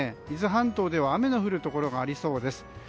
伊豆半島では雨の降るところがありそうです。